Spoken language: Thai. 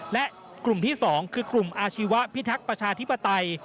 และกลุ่มที่๒คือกลุ่มอาชีวะพิทักษ์ประชาธิปไตย